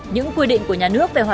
những quy định của nhà nước